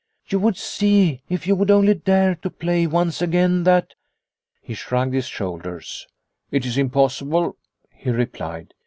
You would see, if you would only dare to play once again, that ..." He shrugged his shoulders. "It is im possible," he replied.